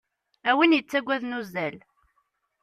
A win yettaggaden uzzal.